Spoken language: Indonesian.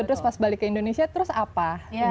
terus pas balik ke indonesia terus apa